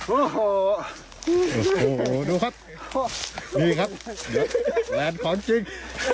โอ้โหโอ้โหดูครับนี่ครับแหลนของจริง